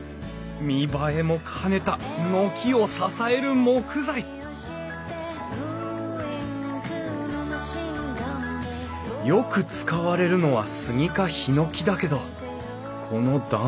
見栄えも兼ねた軒を支える木材よく使われるのはスギかヒノキだけどこの断面。